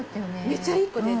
「めっちゃいい子で。